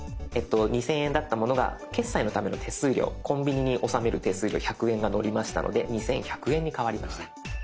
２，０００円だったものが決済のための手数料コンビニに納める手数料１００円がのりましたので２，１００円に変わりました。